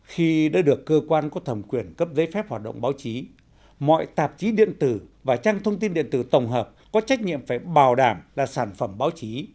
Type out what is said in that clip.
khi đã được cơ quan có thẩm quyền cấp giấy phép hoạt động báo chí mọi tạp chí điện tử và trang thông tin điện tử tổng hợp có trách nhiệm phải bảo đảm là sản phẩm báo chí